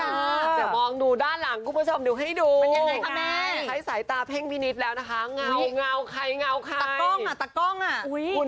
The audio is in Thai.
เดี๋ยวมองดูด้านหลังกลุ่มผู้ผู้ชมดูให้ดู